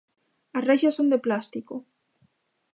As reixas son de plástico.